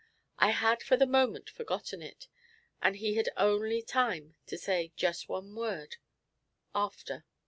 I had for the moment forgotten it, and he had only time to say just one word "after."